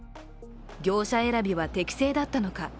業者選びは適正だったのか。